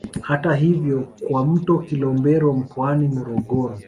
Hivyo hivyo kwa mto Kilombero mkoani Morogoro